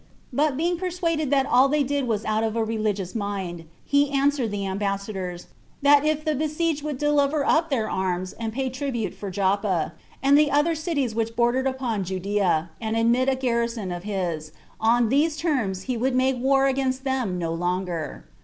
But being persuaded that all they did was out of a religious mind, he answered the ambassadors, that if the besieged would deliver up their arms, and pay tribute for Joppa, and the other cities which bordered upon Judea, and admit a garrison of his, on these terms he would make war against them no longer.